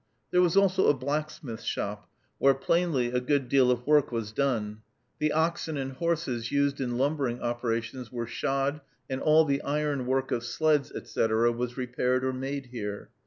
There was also a blacksmith's shop, where plainly a good deal of work was done. The oxen and horses used in lumbering operations were shod, and all the iron work of sleds, etc., was repaired or made here.